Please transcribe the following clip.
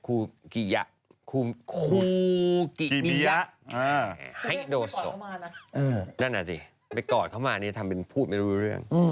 ครูกิยะครูกิริยะไฮโดสนั่นอ่ะสิไปกอดเขามานี่ทำเป็นพูดไม่รู้เรื่อง